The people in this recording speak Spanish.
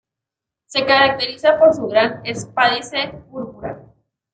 Se caracteriza por su gran espádice púrpura.